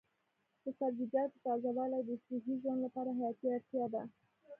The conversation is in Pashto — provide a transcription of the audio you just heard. د سبزیجاتو تازه والي د صحي ژوند لپاره حیاتي اړتیا ده.